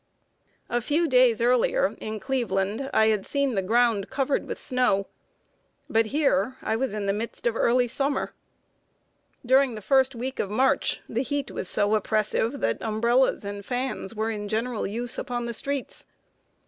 A few days earlier, in Cleveland, I had seen the ground covered with snow; but here I was in the midst of early summer. During the first week of March, the heat was so oppressive that umbrellas and fans were in general use upon the streets.